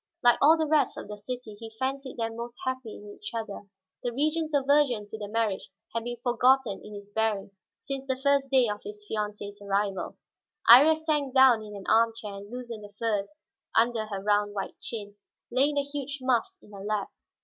Like all the rest of the city, he fancied them most happy in each other. The Regent's aversion to the marriage had been forgotten in his bearing since the first day of his fiancée's arrival. Iría sank down in an arm chair and loosened the furs under her round white chin, laying the huge muff in her lap.